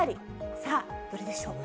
さあ、どれでしょう。